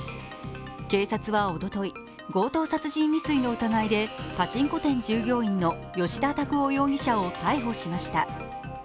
警察はおととい、強盗殺人未遂の疑いでパチンコ店従業員の葭田拓央容疑者を逮捕しました。